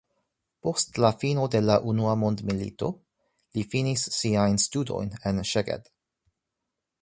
Post la fino de la unua mondmilito li finis siajn studojn en Szeged.